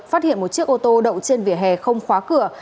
phát hiện một chiếc ô tô đậu trên vỉa hè không khóa cửa